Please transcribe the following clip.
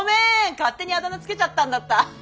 勝手にあだ名付けちゃったんだった。